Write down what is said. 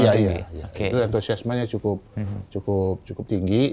itu antusiasmenya cukup tinggi